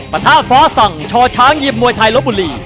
ปฏภาษังชอชางิมมวยไทยละบุรี